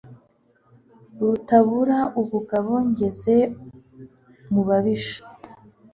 rutabura ubugabo ngeze mu babisha